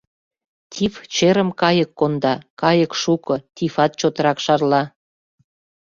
Тиф черым кайык конда: кайык шуко, тифат чотрак шарла.